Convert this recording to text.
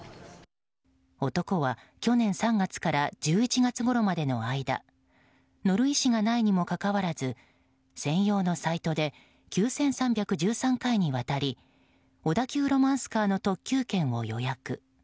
男は去年３月から１１月ごろまでの間乗る意思がないにもかかわらず専用のサイトで９３１３回にわたり小田急ロマンスカーの特急券を予約。